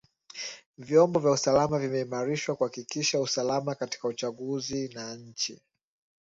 vyombo vya usalama vimeimarishwa kuhakikisha usalama katika uchaguzi na nchi